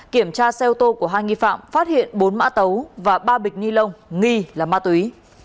kiểm tra xe ô tô của hai nghi phạm phát hiện bốn mã tấu và ba bịch ni lông nghi là ma túy